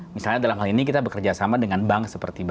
misalnya dalam hal ini kita bekerja sama dengan bank seperti bank